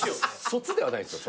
卒ではないですよ。